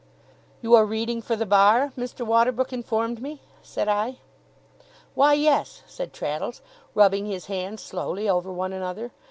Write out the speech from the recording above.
'You are reading for the bar, Mr. Waterbrook informed me?' said I. 'Why, yes,' said Traddles, rubbing his hands slowly over one another.